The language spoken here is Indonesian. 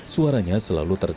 suaranya selalu berkata